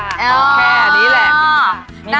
แค่นี้แหละ